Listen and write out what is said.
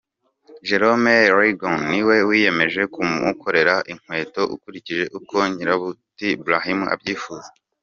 Jerome Liegeon niwe wiyemeje kumukorera inkweto ukurikije uko nyir’ubwite Brahim abyifuza.